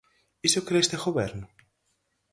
Iso cre este goberno?